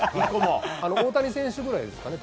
大谷選手ぐらいですかね。